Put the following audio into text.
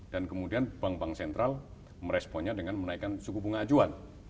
dan kemudian bank bank sentral meresponnya dengan menaikkan suku bunga ajuan